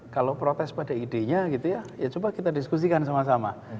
kalau protes pada idenya gitu ya ya coba kita diskusikan sama sama